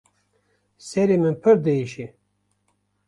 Serê min pir diêşe.